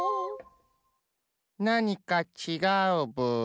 なにかちがうブー。